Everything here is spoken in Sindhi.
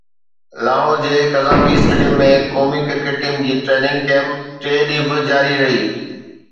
لاهور جي قذافي اسٽيڊيم ۾ قومي ڪرڪيٽ ٽيم جي ٽريننگ ڪيمپ ٽئين ڏينهن به جاري رهي